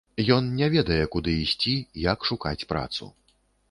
Ён не ведае, куды ісці, як шукаць працу.